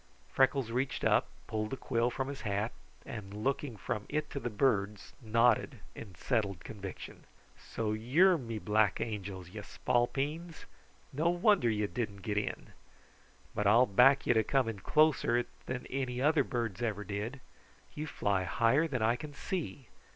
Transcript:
Freckles reached up, pulled the quill from his hat, and looking from it to the birds, nodded in settled conviction. "So you're me black angels, ye spalpeens! No wonder you didn't get in! But I'll back you to come closer it than any other birds ever did. You fly higher than I can see.